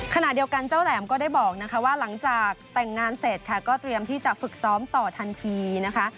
ขณะเดียวกันเจ้าแหลมก็ได้บอกนะคะว่าหลังจากแต่งงานเสร็จค่ะก็เตรียมที่จะฝึกซ้อมต่อทันทีนะคะ